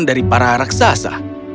dari para raksasa